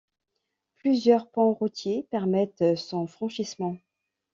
Plusieurs ponts routiers permettent son franchissement.